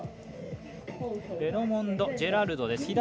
レドモンド・ジェラルドです。